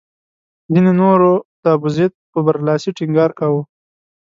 ځینو نورو د ابوزید پر برلاسي ټینګار کاوه.